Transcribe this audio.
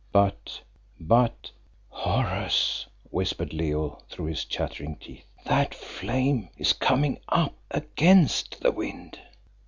But but "Horace," whispered Leo through his chattering teeth, "that flame is coming up _against the wind!